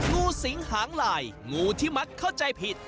งูสิงหางลายงูที่มักเข้าใจผิด